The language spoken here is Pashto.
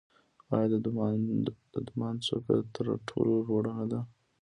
آیا د دماوند څوکه تر ټولو لوړه نه ده؟